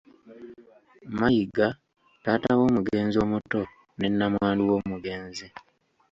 Mayiga taata w’omugenzi omuto, ne namwandu w’omugenzi.